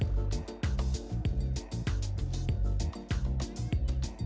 yang kamu butuhin untuk masak bakwan goreng yang tidak biasa ini